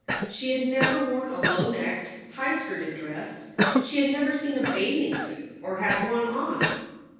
She had never worn a low necked, high skirted dress. She had never seen a bathing suit or had one on.